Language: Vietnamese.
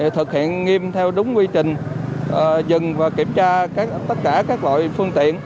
thực hiện nghiêm theo đúng quy trình dừng và kiểm tra tất cả các loại phương tiện